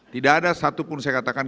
tidak ada satupun saya katakan